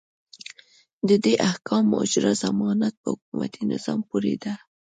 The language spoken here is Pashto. د دې احکامو اجرا ضمانت په حکومتي نظام پورې ده.